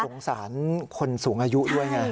สงสารคนสูงอายุด้วยไง